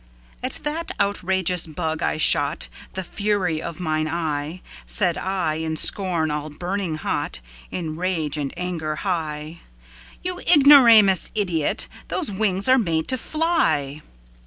At that outrageous bug I shotThe fury of mine eye; Said I, in scorn all burning hot, In rage and anger high,"You ignominious idiot! Those wings are made to fly!"